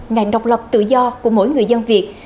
ngành độc lập tự do của mỗi người dân việt